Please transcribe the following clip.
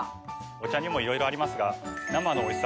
お茶にもいろいろありますが。